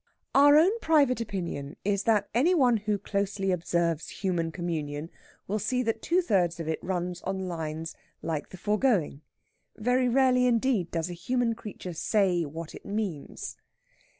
Our own private opinion is that any one who closely observes human communion will see that two thirds of it runs on lines like the foregoing. Very rarely indeed does a human creature say what it means.